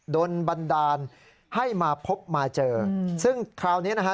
โดนบันดาลให้มาพบมาเจอซึ่งคราวนี้นะฮะ